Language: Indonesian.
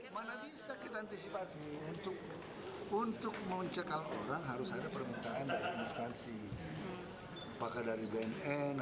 mana bisa kita antisipasi untuk mencekal orang harus ada permintaan dari instansi